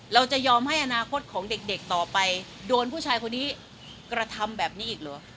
เราจะยอมให้อนาคตของเด็กต่อไปโดนผู้ชายคนนี้กระทำแบบนี้อีกเหรอ